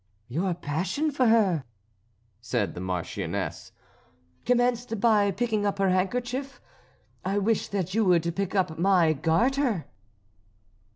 "Your passion for her," said the Marchioness, "commenced by picking up her handkerchief. I wish that you would pick up my garter."